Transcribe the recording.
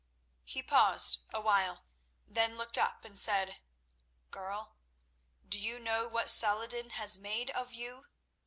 He paused awhile, then looked up and said, "Girl, do you know what Saladin has made of you?